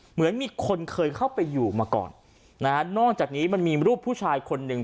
เหมือนมีคนเคยเข้าไปอยู่มาก่อนนะฮะนอกจากนี้มันมีรูปผู้ชายคนหนึ่ง